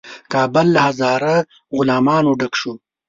کابل له هزاره غلامانو ډک شو.